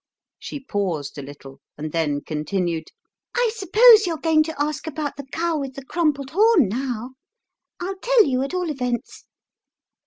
She paused a little, and then continued :" I suppose you're going to ask about the cow with the crumpled horn now? I'll tell you, at all events.